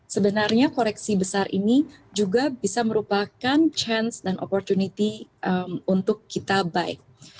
sebenarnya koreksi besar ini juga bisa merupakan chance dan opportunity untuk kita baik